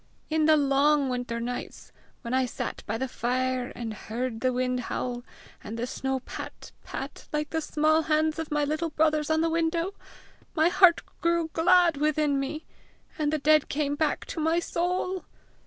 In the long winter nights, when I sat by the fire and heard the wind howl, and the snow pat, pat like the small hands of my little brothers on the window, my heart grew glad within me, and the dead came back to my soul!